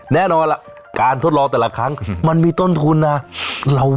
แน่นอนล่ะการทดลองแต่ละครั้งมันมีต้นทุนนะ